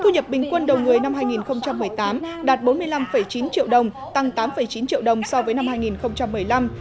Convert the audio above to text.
đạt bốn mươi năm chín triệu đồng tăng tám chín triệu đồng so với năm hai nghìn một mươi năm